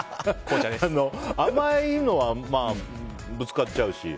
甘いのは、ぶつかっちゃうし。